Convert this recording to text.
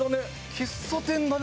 喫茶店だね